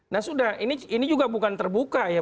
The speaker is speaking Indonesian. nah sudah ini juga bukan terbuka ya